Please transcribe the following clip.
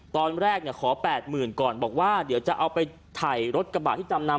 ตอนแรกขอ๘๐๐๐ก่อนบอกว่าเดี๋ยวจะเอาไปถ่ายรถกระบะที่จำนำ